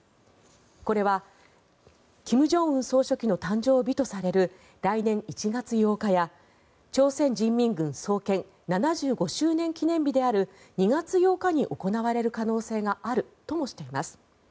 これは金正恩総書記の誕生日とされる来年１月８日や朝鮮人民軍創建７５周年記念日である２月８日に行われる可能性があるともしています。